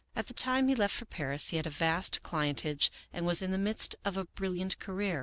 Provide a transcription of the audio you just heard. At the time he left for Paris he had a vast clientage and was in the midst of a brilliant career.